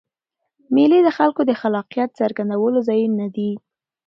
مېلې د خلکو د خلاقیت څرګندولو ځایونه دي.